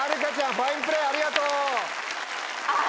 ファインプレーありがとう。